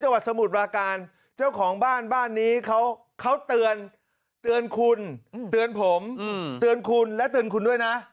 สมุทรปราการเจ้าของบ้านบ้านนี้เขาเตือนเตือนคุณเตือนผมเตือนคุณและเตือนคุณด้วยนะ